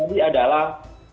yang terjadi adalah